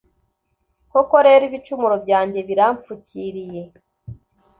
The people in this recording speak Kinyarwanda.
Koko rero ibicumuro byanjye birampfukiriye